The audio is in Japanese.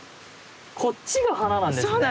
こっちが花なんですね！